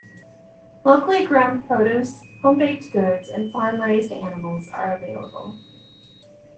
Locally grown produce, homemade baked goods, and farm-raised animals are available.